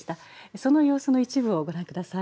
その様子の一部をご覧下さい。